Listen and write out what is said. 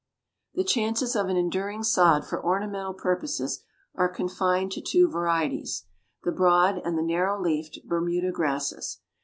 The chances of an enduring sod for ornamental purposes are confined to two varieties, the broad and the narrow leafed Bermuda grasses.